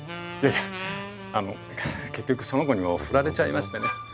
あの結局その子にも振られちゃいましてね。